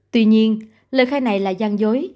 tuy nhiên lời khai này là gian dối